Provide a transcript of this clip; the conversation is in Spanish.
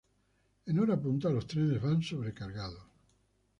En horas punta los trenes van sobrecargados.